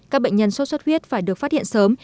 các bệnh nhân sốt xuất huyết phải được phát hiện sớm